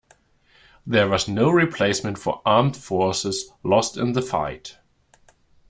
There was no replacement for armed forces lost in the fight.